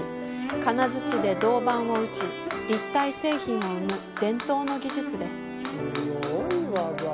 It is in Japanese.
金づちで銅板を打ち、立体製品を生む伝統の技術です。